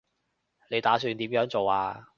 你打算點樣做啊